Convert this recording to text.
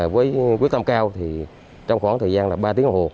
với quyết tâm cao thì trong khoảng thời gian là ba tiếng hồ